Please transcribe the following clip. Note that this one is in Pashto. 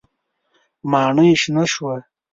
ماڼۍ شنه شوه.